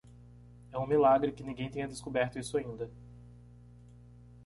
É um milagre que ninguém tenha descoberto isso ainda.